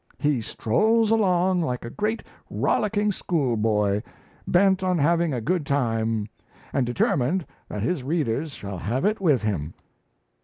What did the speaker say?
He strolls along like a great rollicking schoolboy, bent on having a good time, and determined that his readers shall have it with him."